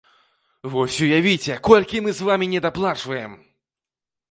Вось уявіце, колькі мы з вамі недаплачваем!